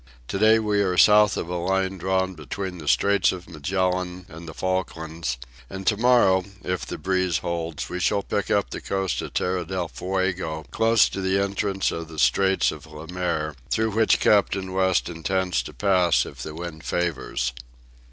To day we are south of a line drawn between the Straits of Magellan and the Falklands, and to morrow, if the breeze holds, we shall pick up the coast of Tierra del Fuego close to the entrance of the Straits of Le Maire, through which Captain West intends to pass if the wind favours.